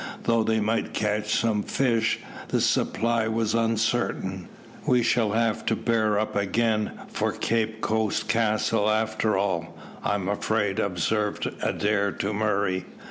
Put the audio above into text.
Though they might catch some fish, the supply was uncertain. "We shall have to bear up again for Cape Coast Castle after all, I am afraid," observed Adair to Murray.